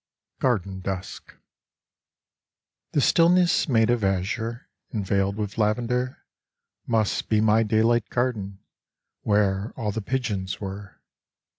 91 GARDEN DUSK This stillness made of azure And veiled with lavender Must be my daylight garden Where all the pigeons were